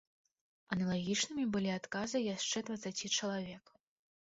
Аналагічнымі былі адказы яшчэ дваццаці чалавек.